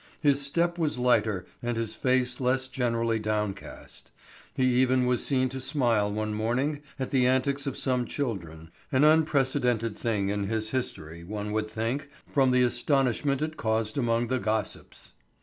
His step was lighter and his face less generally downcast. He even was seen to smile one morning at the antics of some children, an unprecedented thing in his history, one would think, from the astonishment it caused among the gossips.